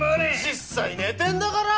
実際寝てんだから！